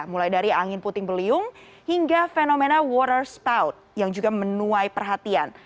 mulai dari angin puting beliung hingga fenomena water spout yang juga menuai perhatian